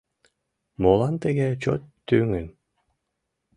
Молан тыге чот тӱҥын?